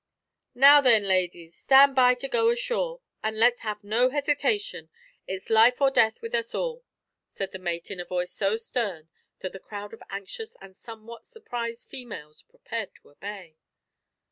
"Now then, ladies, stand by to go ashore, and let's have no hesitation. It's life or death with us all," said the mate in a voice so stern that the crowd of anxious and somewhat surprised females prepared to obey.